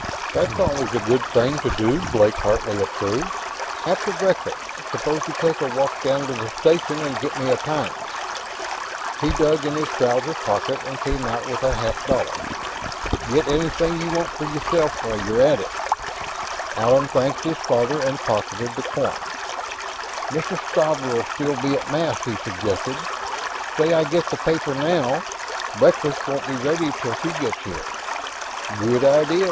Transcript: "That's always a good thing to do," Blake Hartley approved. "After breakfast, suppose you take a walk down to the station and get me a Times." He dug in his trouser pocket and came out with a half dollar. "Get anything you want for yourself, while you're at it." Allan thanked his father and pocketed the coin. "Mrs. Stauber'll still be at Mass," he suggested. "Say I get the paper now; breakfast won't be ready till she gets here." "Good idea."